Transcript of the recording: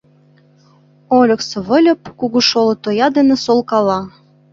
Ольыксе Выльып кугу шоло тоя дене солкала.